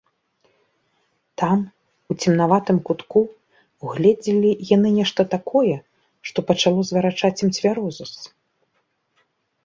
Там, у цемнаватым кутку, угледзелі яны нешта такое, што пачало зварачаць ім цвярозасць.